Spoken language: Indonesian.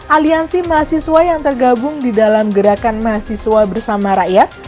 aliansi mahasiswa yang tergabung di dalam gerakan mahasiswa bersama rakyat